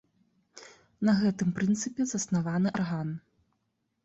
На гэтым прынцыпе заснаваны арган.